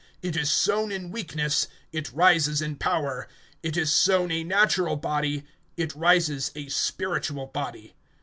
It is sown in weakness, it rises in power. (44)It is sown a natural body, it rises a spiritual body.